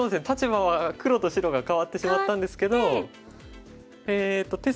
立場は黒と白が変わってしまったんですけどえっと